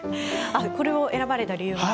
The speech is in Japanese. これを選ばれた理由は？